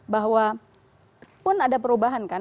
bahwa pun ada perubahan kan